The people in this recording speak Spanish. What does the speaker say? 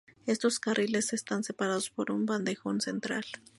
Estos carriles están separados por un bandejón central.